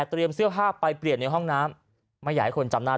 เสื้อผ้าไปเปลี่ยนในห้องน้ำไม่อยากให้คนจำหน้า